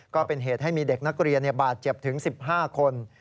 ก็เป็นเหตุให้มีเด็กนักเรียนบาดเจ็บถึง๑๕คน